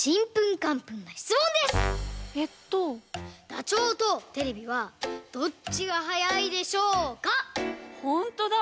ダチョウとテレビはどっちがはやいでしょうか⁉ほんとだ！